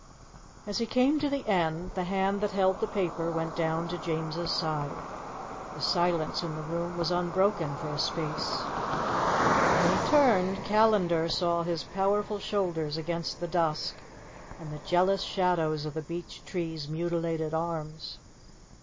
As he came to the end, the hand that held the paper went down to James's side. The silence in the room was unbroken for a space. When he turned, Callandar saw his powerful shoulders against the dusk and the jealous shadows of the beech tree's mutilated arms.